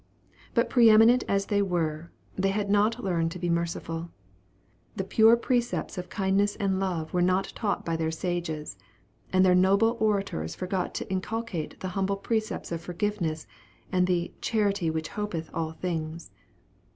But pre eminent as they were, they had not learned to be merciful. The pure precepts of kindness and love were not taught by their sages; and their noble orators forgot to inculcate the humble precepts of forgiveness, and the "charity which hopeth all things."